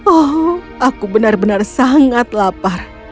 oh aku benar benar sangat lapar